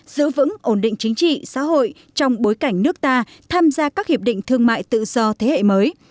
giữ vững ổn định chính trị xã hội trong bối cảnh nước ta tham gia các hiệp định thương mại tự do thế hệ mới